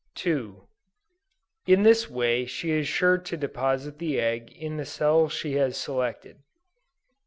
In this way she is sure to deposit the egg in the cell she has selected.